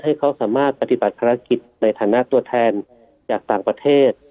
ให้เขาสามารถปฏิบัติภารกิจในฐานะตัวแทนจากต่างประเทศ